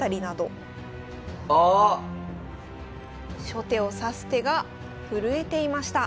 初手を指す手が震えていました。